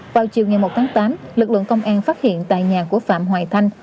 vào chiều ngày một tháng tám lực lượng công an phát hiện tại nhà của phạm hoài thanh